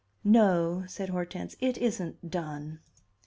"No," said Hortense. "It isn't done."